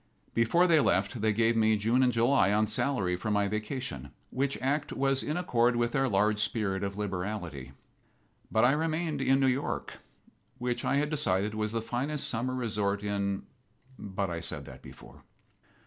Before they left they gave me June and July, on salary, for my vacation, which act was in accord with their large spirit of liberality. But I remained in New York, which I had decided was the finest summer resort in But I said that before.